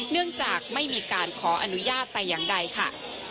เนื่องจากไม่มีการขออนุญาตแต่อย่างใดค่ะ